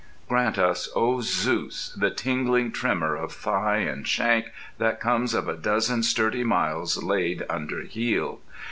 Grant us, O Zeus! the tingling tremour of thigh and shank that comes of a dozen sturdy miles laid underheel.